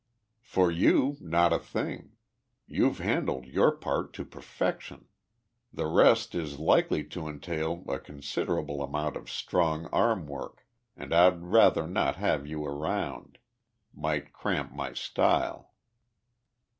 "For you, not a thing. You've handled your part to perfection. The rest is likely to entail a considerable amount of strong arm work, and I'd rather not have you around. Might cramp my style."